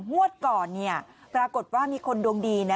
หวัดก่อนนะฮะปรากฎว่ามีคนดวงดีนะ